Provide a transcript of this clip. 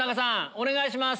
お願いします。